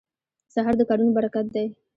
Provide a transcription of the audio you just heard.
سهار د کارونو برکت دی.